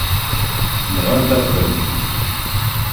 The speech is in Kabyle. Nɣant-aɣ-ten.